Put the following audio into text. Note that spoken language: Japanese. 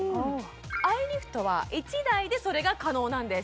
アイリフトは１台でそれが可能なんです